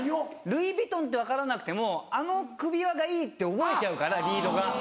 ルイ・ヴィトンって分からなくてもあの首輪がいいって覚えちゃうからリードが。